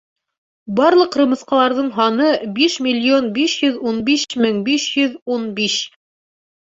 Барлыҡ ҡырмыҫҡаларҙың һаны биш миллион биш йөҙ ун биш мең биш йоҙ ун биш.